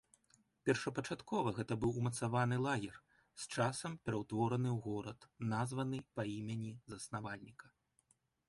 Першапачаткова гэта быў умацаваны лагер, з часам пераўтвораны ў горад, названы па імені заснавальніка.